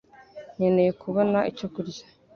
Nkeneye kubona icyo kurya